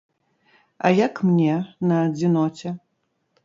А як мне, на адзіноце?